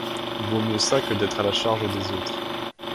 Vaut mieux ça que d’être à la charge des autres.